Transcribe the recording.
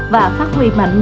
và phát huy mạnh mẽ trường tộn